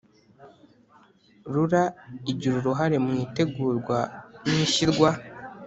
Rura igira uruhare mu itegurwa n ishyirwa